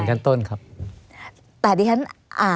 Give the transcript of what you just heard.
หรือว่าแม่ของสมเกียรติศรีจันทร์